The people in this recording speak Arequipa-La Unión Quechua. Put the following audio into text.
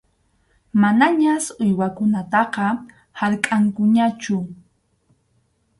Manañas uywakunataqa harkʼankuñachu.